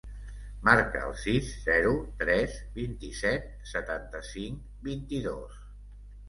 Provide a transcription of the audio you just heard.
Marca el sis, zero, tres, vint-i-set, setanta-cinc, vint-i-dos.